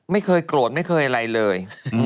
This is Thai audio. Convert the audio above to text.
ไม่เคยโกรธไม่เคยอะไรเลย